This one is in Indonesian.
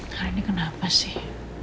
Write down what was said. hari ini kenapa sih